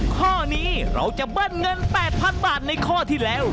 ข้อนี้เราจะเบิ้ลเงิน๘๐๐๐บาทในข้อที่แล้ว